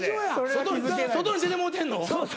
外に出てもうてんの？